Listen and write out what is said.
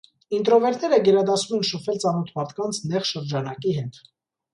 Ինտրովերտները գերադասում են շփվել ծանոթ մարդկանց նեղ շրջանակի հետ։